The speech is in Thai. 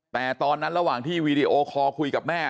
แต่ตอนนั้นระหว่างที่วีดีโอคอลคุยกับแม่